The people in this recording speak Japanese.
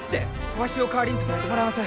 わしを代わりに捕らえてもらいます。